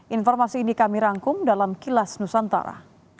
informasi ini kami rangkum dalam kilas nusantara